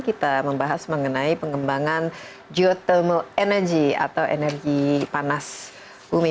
kita membahas mengenai pengembangan geothermal energy atau energi panas bumi